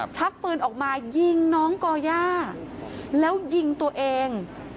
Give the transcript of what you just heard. ชักปืนออกมายิงน้องก่อย่าแล้วยิงตัวเอง